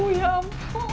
ih ya ampun